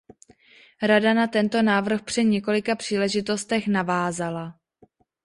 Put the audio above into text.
Rada na tento návrh při několika příležitostech navázala.